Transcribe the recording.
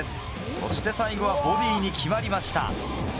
そして最後はボディーに決まりました。